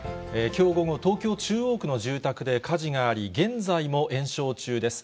きょう午後、東京・中央区の住宅で火事があり、現在も延焼中です。